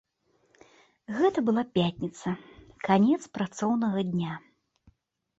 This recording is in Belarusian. Гэта была пятніца, канец працоўнага дня.